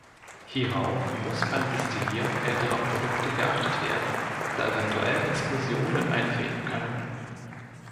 Hierauf muss beim Destillieren älterer Produkte geachtet werden, da eventuell Explosionen eintreten können.